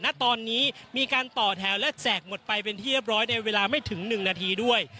ณตอนนี้มีการต่อแถวและแจกหมดไปเป็นที่เรียบร้อยในเวลาไม่ถึง๑นาทีด้วย